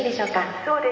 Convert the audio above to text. そうです。